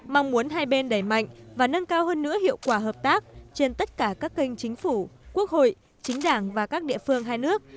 mong muốn hai bên đẩy mạnh và nâng cao hơn nữa hiệu quả hợp tác trên tất cả các kênh chính phủ quốc hội chính đảng và các địa phương hai nước